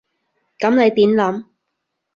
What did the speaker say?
噉你點諗？